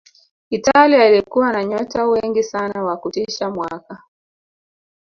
italia ilikuwa na nyota wengi sana wa kutisha mwaka